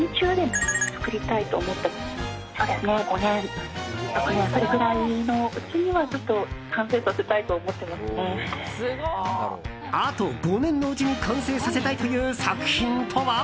あと５年のうちに完成させたいという作品とは？